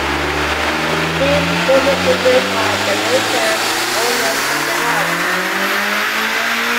These portions were built by the later owners of the house.